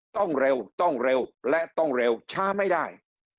ต้องเร็วต้องเร็วและต้องเร็วช้าไม่ได้